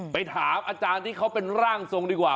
ไปถามอาจารย์ที่เขาเป็นร่างทรงดีกว่า